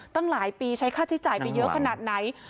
ตั้งหลายปีใช้ค่าใช้จ่ายไปเยอะขนาดไหน